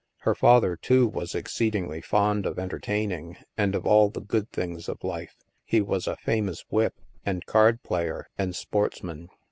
Her father, too, was exceedingly fond of entertaining and of all the good things of life; he was a famous whip, and card player, and sports man.